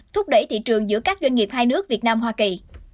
thúc đẩy thị trường giữa các doanh nghiệp hai nước việt nam hoa kỳ